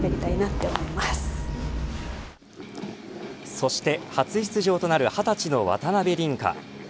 そして初出場となる二十歳の渡辺倫果。